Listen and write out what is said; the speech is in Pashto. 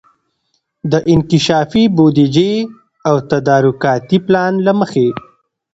د انکشافي بودیجې او تدارکاتي پلان له مخي